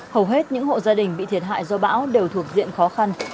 hầu hết những hộ gia đình bị thiệt hại do bão đều thuộc diện khó khăn